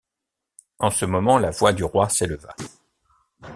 En ce moment la voix du roi s’éleva.